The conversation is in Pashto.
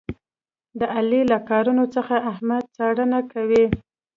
د علي له کارونو څخه احمد څارنه کوي.